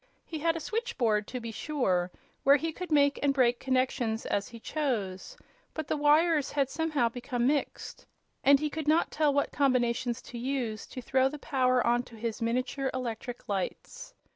He had a "switchboard," to be sure, where he could make and break connections as he chose; but the wires had somehow become mixed, and he could not tell what combinations to use to throw the power on to his miniature electric lights.